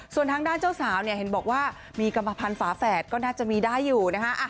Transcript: ส่วนทางด้านเจ้าสาวเนี่ยเห็นบอกว่ามีกรรมภัณฑ์ฝาแฝดก็น่าจะมีได้อยู่นะฮะ